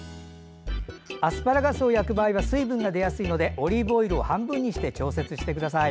アスパラガスを焼く場合は水分が出やすいのでオリーブオイルを半分にして調節してください。